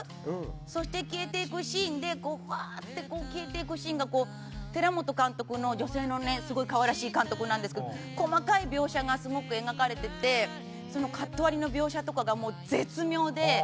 そして消えていくシーンでわーって消えていくシーンが寺本監督のすごい可愛らしい監督なんですけど細かい描写が描かれていてそのカット割りの描写とかがもう絶妙で。